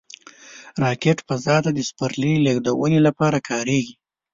راکټ فضا ته د سپرلي لیږدونې لپاره کارېږي